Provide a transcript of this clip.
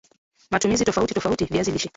Matumizi tofauti tofautiya viazi lishe